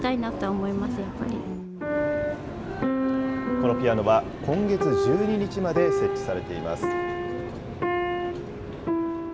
このピアノは今月１２日まで設置されています。